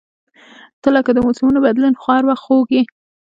• ته لکه د موسمونو بدلون، خو هر وخت خوږ یې.